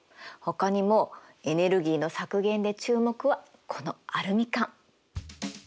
ほかにもエネルギーの削減で注目はこのアルミ缶。